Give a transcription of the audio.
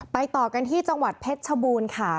ต่อกันที่จังหวัดเพชรชบูรณ์ค่ะ